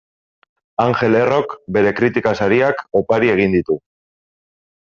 Angel Errok bere kritika sariak opari egin ditu.